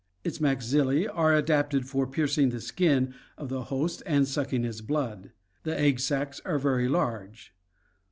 Its maxilla; are adapted for piercing the skin of the host and suck ing its blood. The egg sacs are very large.